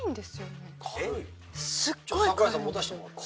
櫻井さん持たせてもらったら？